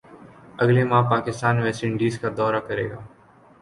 اگلے ماہ Pakistan West Indies کا دورہ کرے گا